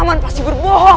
paman pasti berbohong